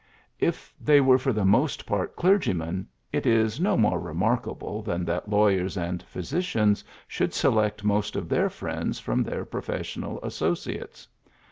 If they were PHILLIPS BEOOKS 87 for the most part clergymen, it is no more remarkable than that lawyers and phy sicians should select most of their friends from their professional associates.